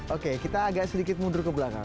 oke kita agak sedikit mundur ke belakang